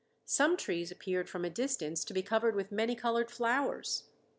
Some trees appeared from a distance to be covered with many colored flowers.